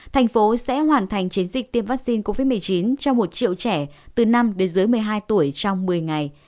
thành phố sẽ hoàn thành chiến dịch tiêm vaccine covid một mươi chín cho một triệu trẻ từ năm đến dưới một mươi hai tuổi trong một mươi ngày